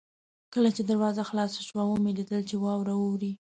کله چې دروازه خلاصه شوه ومې لیدل چې واوره اورې.